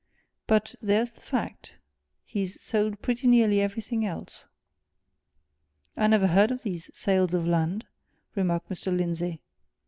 But there's the fact! he's sold pretty nearly everything else." "I never heard of these sales of land," remarked Mr. Lindsey.